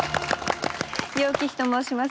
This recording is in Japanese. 楊貴妃と申します。